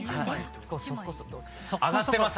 上がってます！